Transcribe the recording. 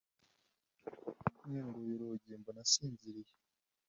Nkinguye urugi mbona asinziriye